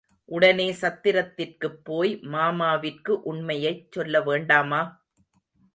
உடனே சத்திரத்திற்குப் போய் மாமாவிற்கு உண்மையைச் சொல்ல வேண்டாமா?